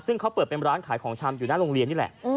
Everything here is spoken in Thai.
ซึ่งเขาเปิดเป็นร้านขายของชำอยู่หน้าโรงเรียนนี่แหละ